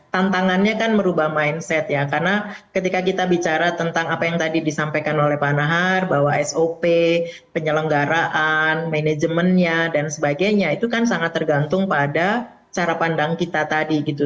tantangannya kan merubah mindset ya karena ketika kita bicara tentang apa yang tadi disampaikan oleh pak nahar bahwa sop penyelenggaraan manajemennya dan sebagainya itu kan sangat tergantung pada cara pandang kita tadi gitu